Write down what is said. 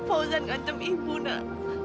fauzan ngantem ibu nak